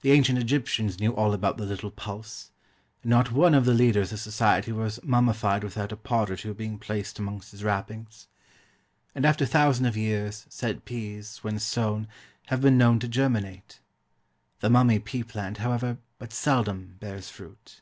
The ancient Egyptians knew all about the little pulse, and not one of the leaders of society was mummified without a pod or two being placed amongst his wrappings. And after thousand of years said peas, when sown, have been known to germinate. The mummy pea plant, however, but seldom bears fruit.